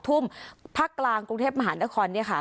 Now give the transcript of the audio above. ตอบไทยส่วนช่วงสัก๒ทุ่มนี้ค่ะ